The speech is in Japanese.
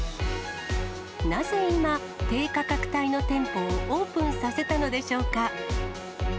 なぜ今、低価格帯の店舗をオープンさせたのでしょうか。